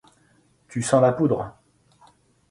Tu sens la poudre.